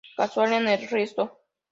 Casual en el resto.